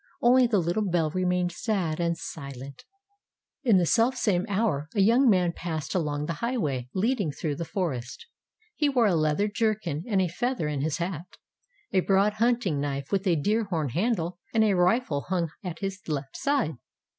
Only the little bell remained sad and silent. In the selfsame hour, a young man passed along the highway leading through the forest. He wore a leather jerkin and a feather in his hat. A broad hunting knife, with a deer horn handle, and a rifle hung at his left side.